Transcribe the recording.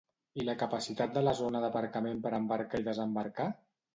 I la capacitat de la zona d'aparcament per embarcar i desembarcar?